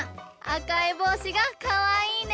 あかいぼうしがかわいいね。